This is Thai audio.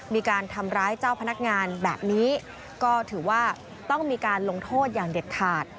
มีการทำร้ายเจ้าพนักงานแบบนี้ก็ถือว่าต้องมีการลงโทษอย่างเด็ดขาด